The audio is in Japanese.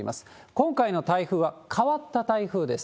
今回の台風は変わった台風です。